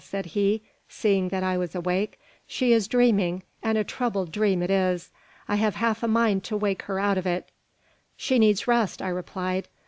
said he, seeing that I was awake; "she is dreaming, and a troubled dream it is. I have half a mind to wake her out of it." "She needs rest," I replied.